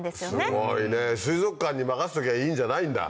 すごいね水族館に任せときゃいいんじゃないんだ。